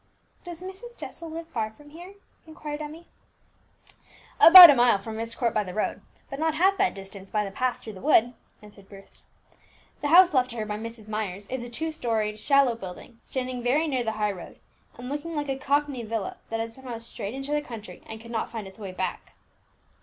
"Does Mrs. Jessel live far from here?" inquired Emmie. "About a mile from Myst Court by the road, but not half that distance by the path through the wood," answered Bruce. "The house left to her by Mrs. Myers is a two storied, shallow building, standing very near the high road, and looking like a Cockney villa that had somehow strayed into the country, and could not find its way back."